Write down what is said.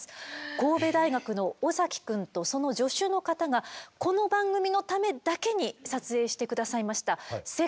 神戸大学の尾崎くんとその助手の方がこの番組のためだけに撮影して下さいました。